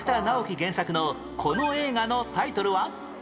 原作のこの映画のタイトルは？